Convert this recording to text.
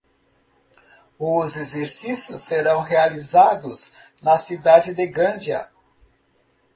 Os exercícios serão realizados na cidade de Gandia.